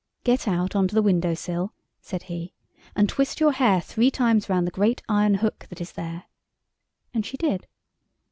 "Get out on to the window sill," said he, "and twist your hair three times round the great iron hook that is there." And she did.